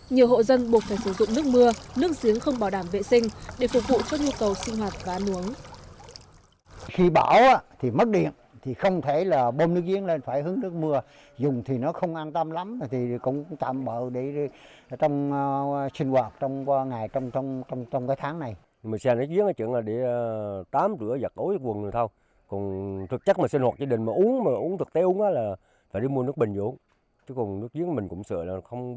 nhiều hộ dân buộc phải sử dụng nước mưa nước giếng không bảo đảm vệ sinh để phục vụ cho nhu cầu sinh hoạt và nuống